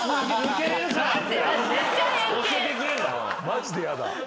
マジで嫌だ。